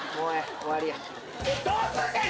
終わりや。